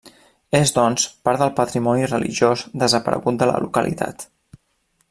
És doncs, part del patrimoni religiós desaparegut de la localitat.